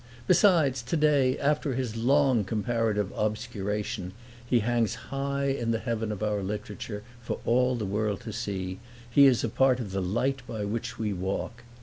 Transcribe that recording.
Besides, today, after his long comparative obscuration, he hangs high in the heaven of our literature, for all the world to see; he is a part of the light by which we walk.